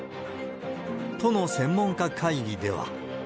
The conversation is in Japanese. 都の専門家会議では。